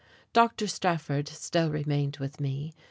Dr. Strafford still remained with me.